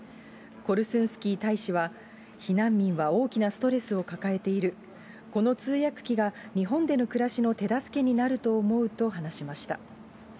コルスンスキー大使は、避難民は大きなストレスを抱えている、この通訳機が日本での暮らしの手助けになると思うと話しました。